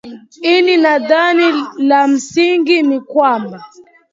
ini nadhani la msingi ni kwamba